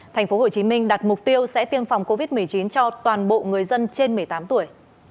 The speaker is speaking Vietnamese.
tp hcm đặt mục tiêu sẽ tiêm phòng covid một mươi chín cho toàn bộ người dân trên một mươi tám tuổi